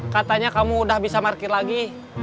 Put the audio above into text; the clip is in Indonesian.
katanya kamu udah bisa parkir lagi